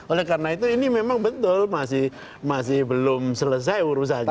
oleh karena itu ini memang betul masih belum selesai urusannya